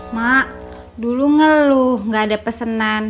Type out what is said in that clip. mak dulu ngeluh gak ada pesanan